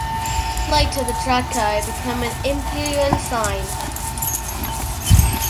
Later, the "draco" became an imperial ensign.